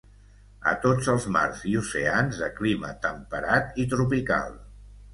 A tots els mars i oceans de clima temperat i tropical.